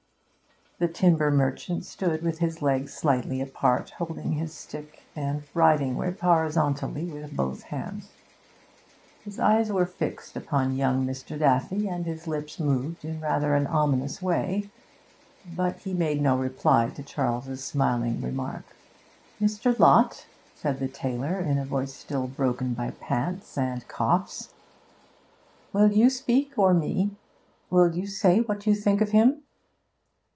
The timber merchant stood with legs slightly apart, holding his stick and the riding whip horizontally with both hands. His eyes were fixed upon young Mr. Daffy, and his lips moved in rather an ominous way; but he made no reply to Charles's smiling remark. 'Mr. Lott,' said the tailor, in a voice still broken by pants and coughs, 'will you speak or me? Will you say what you think of him?'